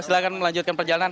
silahkan melanjutkan perjalanan